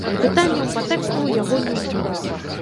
Пытанняў па тэксту ў яго не ўзнікла.